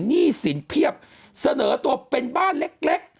หนี้สินเพียบเสนอตัวเป็นบ้านเล็ก